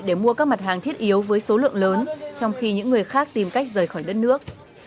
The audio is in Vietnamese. để mua các mặt hàng thiết yếu với số lượng lớn trong khi những người khác tìm cách rời khỏi đất nước